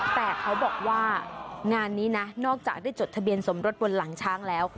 แต่เขาบอกว่างานนี้นะนอกจากได้จดทะเบียนสมรสบนหลังช้างแล้ว